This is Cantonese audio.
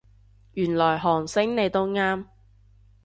原來韓星你都啱